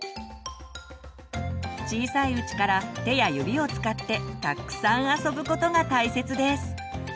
小さいうちから手や指を使ってたっくさん遊ぶことが大切です。